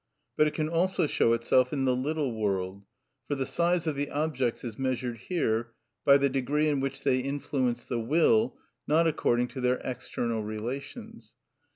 But it can also show itself in the little world, for the size of the objects is measured here by the degree in which they influence the will, not according to their external relations.